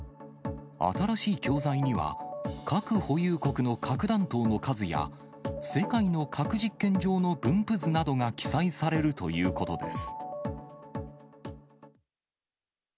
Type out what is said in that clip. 新しい教材には、核保有国の核弾頭の数や、世界の核実験場の分布図などが記載されるということです。